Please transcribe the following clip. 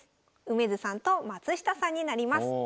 梅津さんと松下さんになります。